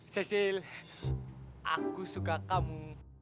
sesil aku suka kamu